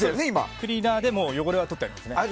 クリーナーで汚れは取ってあります。